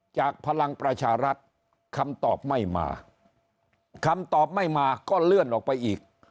พลังประชารัฐคำตอบไม่มาคำตอบไม่มาก็เลื่อนออกไปอีก